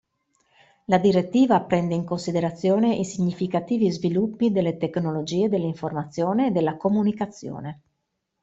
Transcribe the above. La direttiva prende in considerazione i significativi sviluppi delle tecnologie dell'informazione e della comunicazione.